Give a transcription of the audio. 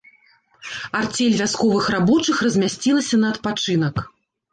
Арцель вясковых рабочых размясцілася на адпачынак.